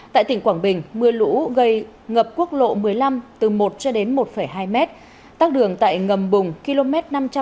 tại tỉnh quảng bình mưa lũ gây ngập quốc lộ một mươi năm từ một cho đến một hai m tắc đường tại ngầm bùng km năm trăm sáu mươi hai hai trăm linh